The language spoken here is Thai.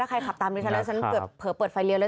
ถ้าใครขับตามด้วยฉันฉันเผลอเปิดไฟเลี้ยวเลย